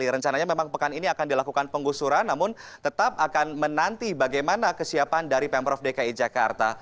rencananya memang pekan ini akan dilakukan penggusuran namun tetap akan menanti bagaimana kesiapan dari pemprov dki jakarta